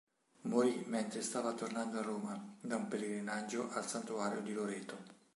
Morì mentre stava tornando a Roma, da un pellegrinaggio al santuario di Loreto.